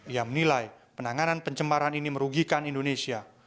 ia menilai penanganan pencemaran ini merugikan indonesia